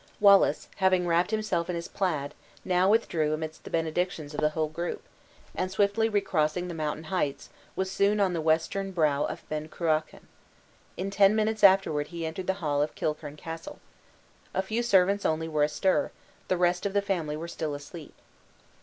Wallace, having wrapped himself in his plaid, now withdrew amidst the benedictions of the whole group; and swiftly recrossing the mountain heights, was soon on the western brow of Ben Cruachan. In ten minutes afterward he entered the hall of Kilchurn Castle. A few servants only were astir; the rest of the family were still asleep.